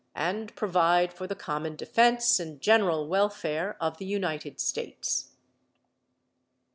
.. and provide for the common defense and general welfare of the United States."